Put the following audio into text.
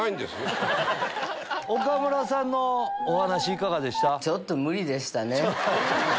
岡村さんのお話いかがでした？